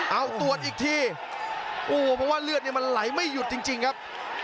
เอาตรวจอีกทีโอ้โหเพราะว่าเลือดเนี่ยมันไหลไม่หยุดจริงครับ